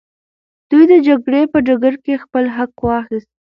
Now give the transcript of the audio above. دوی د جګړې په ډګر کي خپل حق واخیست.